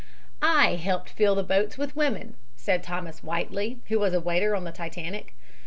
"I helped fill the boats with women," said Thomas Whiteley, who was a waiter on the Titanic.